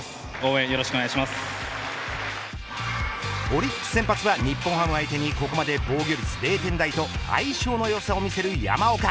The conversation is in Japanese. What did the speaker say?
オリックス先発は日本ハム相手にここまで防御率０点台と相性のよさを見せる山岡。